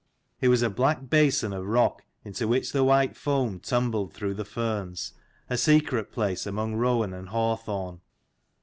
It was a black basin of rock into which the white foam tumbled through the ferns, a secret place among rowan and hawthorn.